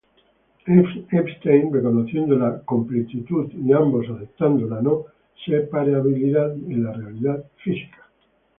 Einstein reconociendo la completitud, y ambos aceptando la no-separabilidad en la realidad física.